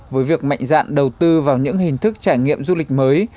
với việc mạnh dạn đầu tư vào những hình thức trải nghiệm du lịch mới